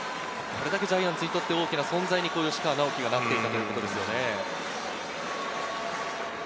これだけジャイアンツにとって吉川尚輝が大きな存在になっていたということです。